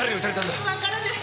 わからない。